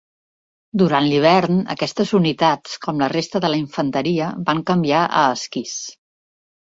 Durant l'hivern aquestes unitats, com la resta de la infanteria, van canviar a esquís.